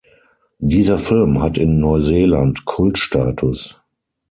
Dieser Film hat in Neuseeland Kultstatus.